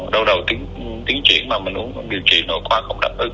đau đầu tiến triển mà mình uống điều trị nội khoa không đáp ứng